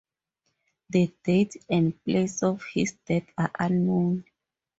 The date and place of his death are unknown.